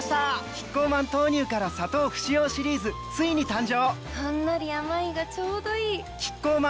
キッコーマン豆乳から砂糖不使用シリーズついに誕生！